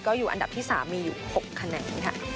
อยู่อันดับที่๓มีอยู่๖คะแนนค่ะ